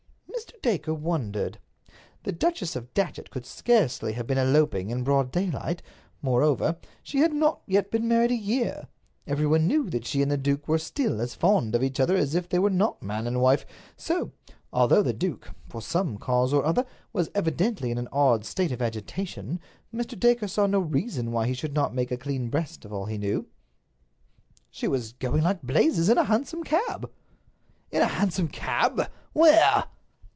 Mr. Dacre wondered. The Duchess of Datchet could scarcely have been eloping in broad daylight. Moreover, she had not yet been married a year. Everyone knew that she and the duke were still as fond of each other as if they were not man and wife. So, although the duke, for some cause or other, was evidently in an odd state of agitation, Mr. Dacre saw no reason why he should not make a clean breast of all he knew. "She was going like blazes in a hansom cab." "In a hansom cab? Where?"